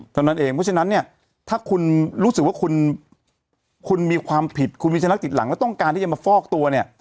เท่านั้นเองเพราะฉะนั้นเนี่ยถ้าคุณรู้สึกว่าคุณคุณมีความผิดคุณมีสุนัขติดหลังแล้วต้องการที่จะมาฟอกตัวเนี่ย